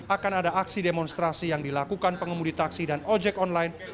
akan ada aksi demonstrasi yang dilakukan pengemudi taksi dan ojek online